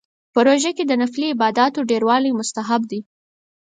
په روژه کې د نفلي عباداتو ډیروالی مستحب دی